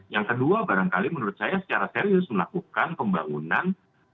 yang kedua barangkali menurut saya secara serius melakukan pembangunan